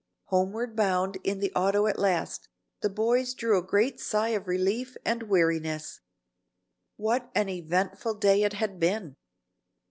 Homeward bound in the auto at last, the boys drew a great sigh of relief and weariness. What an eventful day it had been!